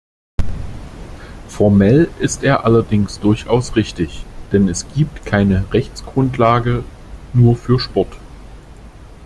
Formell ist er allerdings durchaus richtig, denn es gibt keine Rechtsgrundlage nur für Sport.